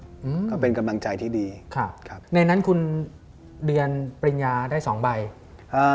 อืมก็เป็นกำลังใจที่ดีครับครับในนั้นคุณเดือนปริญญาได้สองใบเอ่อ